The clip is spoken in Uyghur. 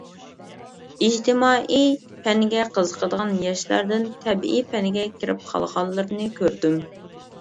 ئىجتىمائىي پەنگە قىزىقىدىغان ياشلاردىن تەبىئىي پەنگە كىرىپ قالغانلىرىنى كۆردۈم.